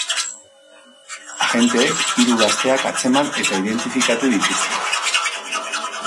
Agenteek hiru gazteak atzeman eta identifikatu dituzte.